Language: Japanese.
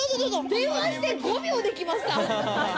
電話して５秒できました。